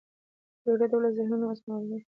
جګړه د ولس ذهنونه مسموموي